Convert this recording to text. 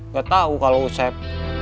gak tau kalau usep